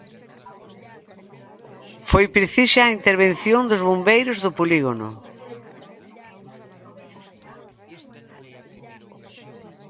Foi precisa a intervención dos bombeiros do polígono.